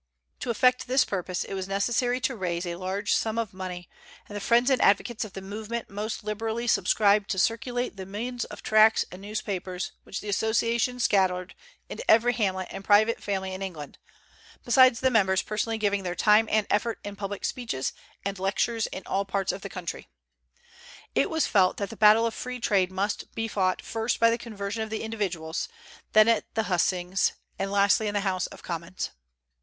To effect this purpose it was necessary to raise a large sum of money; and the friends and advocates of the movement most liberally subscribed to circulate the millions of tracts and newspapers which the Association scattered into every hamlet and private family in England, besides the members personally giving their time and effort in public speeches and lectures in all parts of the country. "It was felt that the battle of free trade must be fought first by the conversion of individuals, then at the hustings, and lastly in the House of Commons."